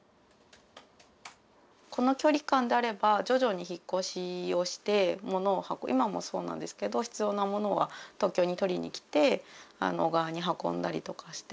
この距離感であれば徐々に引っ越しをして今もそうなんですけど必要なものは東京に取りに来て小川に運んだりとかして。